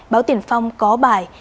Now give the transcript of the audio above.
báo tiền phong có bài